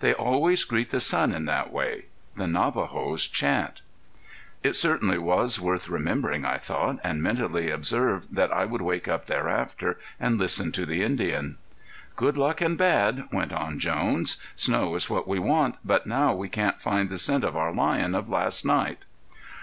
They always greet the sun in that way. The Navajos chant." It certainly was worth remembering, I thought, and mentally observed that I would wake up thereafter and listen to the Indian. "Good luck and bad!" went on Jones. "Snow is what we want, but now we can't find the scent of our lion of last night."